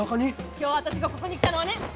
今日私がここに来たのはね！